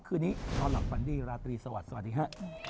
คืนนี้ท่อนหลักปันนี่ราตรีสวัสดีค่ะ